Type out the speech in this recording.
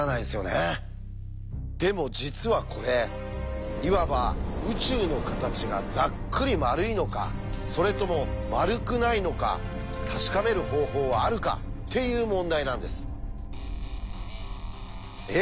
でも実はこれいわば「宇宙の形がざっくり丸いのかそれとも丸くないのか確かめる方法はあるか？」っていう問題なんです。え？